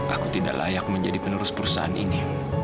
aku tidak layak menjadi penerus perusahaan ini